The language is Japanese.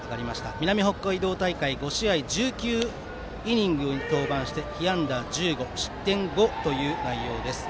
南北海道大会５試合１９イニングに登板し被安打１５、失点５という内容です。